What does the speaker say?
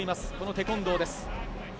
テコンドーです。